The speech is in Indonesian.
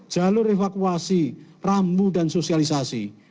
jalur evakuasi rambu dan sosialisasi